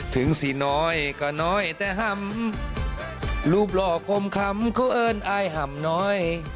สิน้อยก็น้อยแต่ห่ำรูปหล่อคมคำเขาเอิญอายห่ำน้อย